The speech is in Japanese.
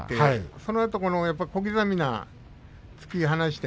そのあと小刻みな突き放し。